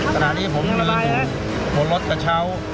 ขณะนี้ผมมืออยู่บนรถกระเช้า